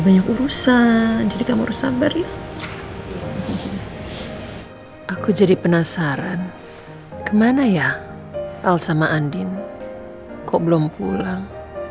banyak urusan jadi kamu harus sabar ya aku jadi penasaran kemana ya al sama andin kok belum pulang